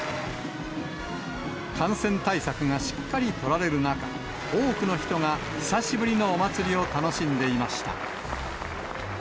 感染対策がしっかり取られる中、多くの人が久しぶりのお祭りを楽しんでいました。